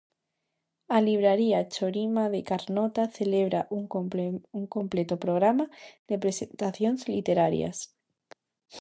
A libraría Chorima de Carnota celebra un completo programa de presentacións literarias.